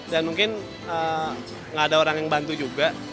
dan mungkin nggak ada orang yang bantu juga